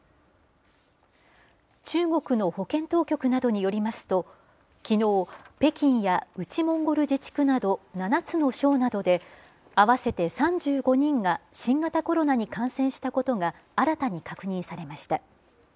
中国の保健当局などによりますと、きのう、北京や内モンゴル自治区など７つの省などで、合わせて３５人が新型コロナに感染したことが、新たに確認されました。